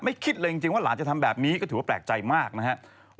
คิดเลยจริงว่าหลานจะทำแบบนี้ก็ถือว่าแปลกใจมากนะครับ